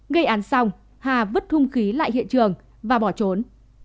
gây án xong hà vứt hung khí lại hiện trường và bỏ trốn